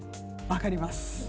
分かります。